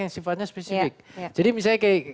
yang sifatnya spesifik jadi misalnya kayak